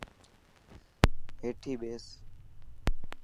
هيٺي ٻيٺس.